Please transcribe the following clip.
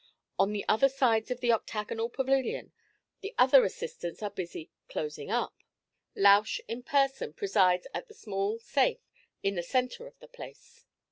On the other sides of the octagonal pavilion the other assistants are busy "closing up." Lausch in person presides at the small safe in the centre of the place.